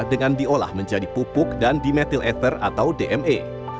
dengan diolah menjadi pupuk dan dimethyl ether atau dme